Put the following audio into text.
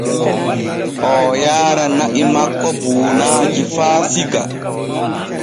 Oo yaara na’i makko buunaaji faa Siga.